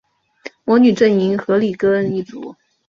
魔女阵营荷丽歌恩一族